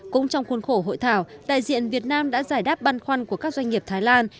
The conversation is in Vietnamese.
cũng trong khuôn khổ hội thảo đại diện việt nam đã giải đáp băn khoăn của các doanh nghiệp thái lan